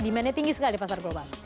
demandnya tinggi sekali pasar global